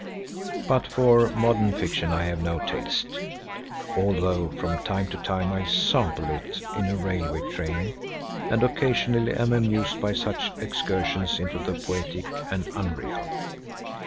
But for modern fiction I have no taste, although from time to time I sample it in a railway train and occasionally am amused by such excursions into the poetic and unreal.